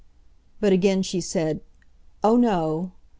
But again she said, "Oh, no!"